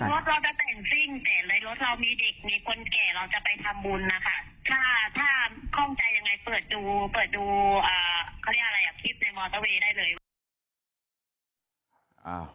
รถเราจะแต่งซิ่งแต่ในรถเรามีเด็กมีคนแก่เราจะไปทำบุญนะคะถ้าถ้าคล่องใจยังไงเปิดดูเปิดดูเขาเรียกอะไรอ่ะคลิปในมอเตอร์เวย์ได้เลยว่า